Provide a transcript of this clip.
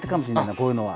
こういうのは。